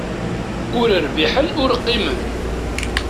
Ur rbiḥen ur qqimen.